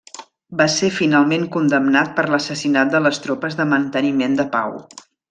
Va ser finalment condemnat per l'assassinat de les tropes de manteniment de pau.